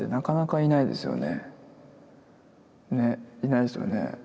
いないですよね。